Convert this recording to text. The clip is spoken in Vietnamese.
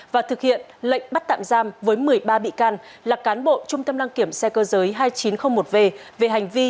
và thực hiện lệnh bắt tạm giam với một mươi ba bị can là cán bộ trung tâm đăng kiểm xe cơ giới hai nghìn chín trăm linh một v về hành vi